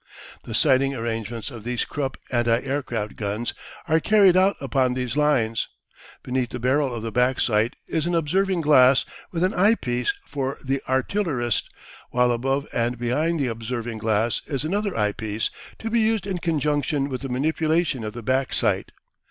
The sighting arrangements of these Krupp anti aircraft guns are carried out upon these lines. Beneath the barrel of the back sight is an observing glass with an eye piece for the artillerist, while above and behind the observing glass is another eye piece, to be used in conjunction with the manipulation of the back sight.